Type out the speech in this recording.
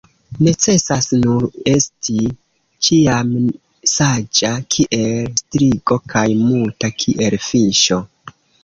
Necesas nur esti ĉiam saĝa kiel strigo kaj muta kiel fiŝo.